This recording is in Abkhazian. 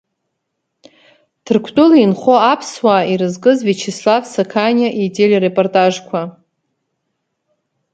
Ҭырқәтәыла инхо аԥсуаа ирызкыз Виачеслав Сақаниа ителерепортажқәа…